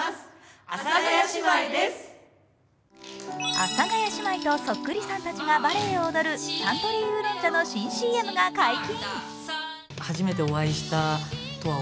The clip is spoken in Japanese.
阿佐ヶ谷姉妹とそっくりさんたちがバレエを踊るサントリー烏龍茶の新ＣＭが解禁。